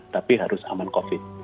tapi harus aman covid